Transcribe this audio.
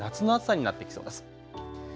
夏の暑さになってきそうです。